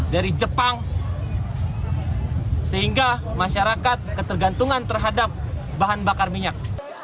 dari jepang sehingga masyarakat ketergantungan terhadap bahan bakar minyak